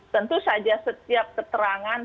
tentu saja setiap keterangan